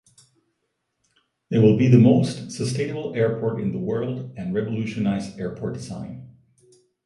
It will be the most sustainable airport in the world and revolutionize airport design.